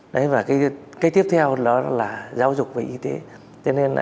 đấy và cái tiếp theo đó là giáo dục và y tế